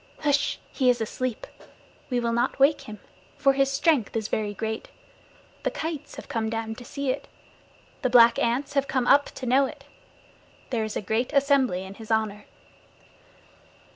Hsh! He is asleep. We will not wake him, for his strength is very great. The kites have come down to see it. The black ants have come up to know it. There is a great assembly in his honor.